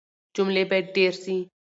جملې بايد ډېري سي.